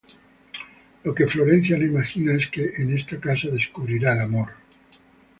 Lo que Florencia no imagina es que en esta casa descubrirá el amor.